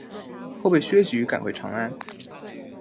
后被薛举赶回长安。